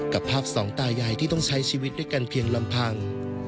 กับภาพสองตายายที่ต้องใช้ชีวิตด้วยกันเพียงลำพัง